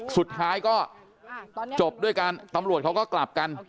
สุดท้ายก็จบด้วยกันตำรวจเขาก็กลับกัน